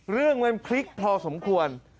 เรื่องมันพลิกพอสมควร